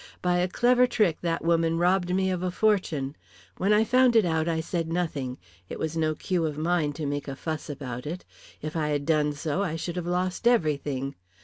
By a clever trick, that woman robbed me of a fortune. When I found it out I said nothing. It was no cue of mine to make a fuss about it. If I had done so I should have lost everything.